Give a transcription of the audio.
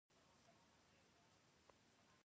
مصر د بېوزلۍ په یو ژور او پراخ ګرداب کې ډوب پاتې شو.